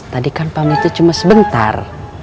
tadi kan panggilnya cuma sebentar